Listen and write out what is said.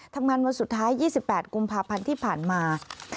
วันสุดท้าย๒๘กุมภาพันธ์ที่ผ่านมา